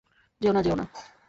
যেওনা, যেওনা।